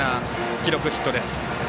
記録ヒットです。